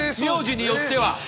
名字によっては。